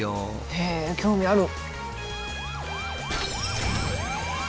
へえ興味ある！